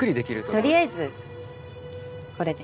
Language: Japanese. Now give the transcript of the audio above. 取りあえずこれで。